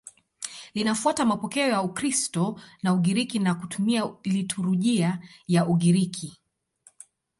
Linafuata mapokeo ya Ukristo wa Ugiriki na kutumia liturujia ya Ugiriki.